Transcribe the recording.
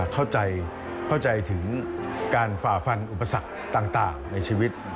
เข้าใจถึงการฝ่าฟันอุปสรรคต่างในชีวิต